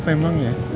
ya kenapa emangnya